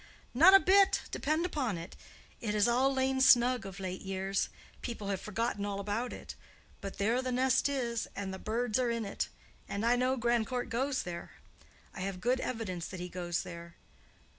"Not a bit, depend upon it; it has all lain snug of late years. People have forgotten all about it. But there the nest is, and the birds are in it. And I know Grandcourt goes there. I have good evidence that he goes there.